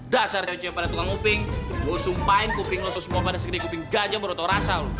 dasar cewe paling tukang nguping gue sumpahin kuping lo semua pada segitiga kuping gajah menurut lo rasa